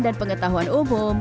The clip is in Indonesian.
dan pengetahuan umum